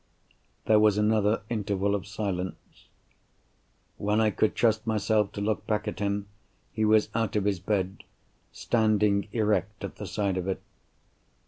There was another interval of silence. When I could trust myself to look back at him he was out of his bed, standing erect at the side of it.